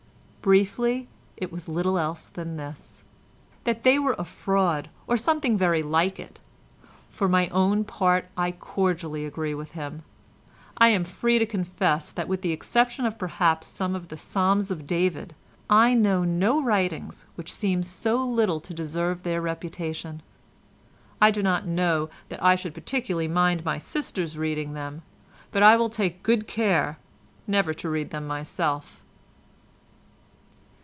Briefly it was little else than this, that they were a fraud or something very like it. For my own part I cordially agree with him. I am free to confess that with the exception perhaps of some of the Psalms of David I know no writings which seem so little to deserve their reputation. I do not know that I should particularly mind my sisters reading them, but I will take good care never to read them myself."